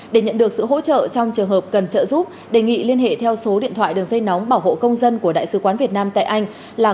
để nhận được sự hỗ trợ trong trường hợp cần trợ giúp đề nghị liên hệ theo số điện thoại đường dây nóng bảo hộ công dân của đại sứ quán việt nam tại anh là